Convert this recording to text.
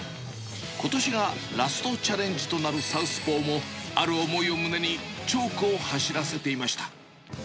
ことしがラストチャレンジとなるサウスポーも、ある思いを胸にチョークを走らせていました。